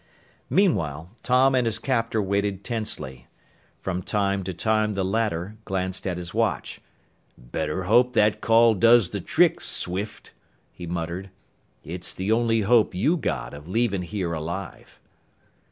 Meanwhile, Tom and his captor waited tensely. From time to time the latter glanced at his watch. "Better hope that call does the trick, Swift," he muttered. "It's the only hope you got of leavin' here alive!"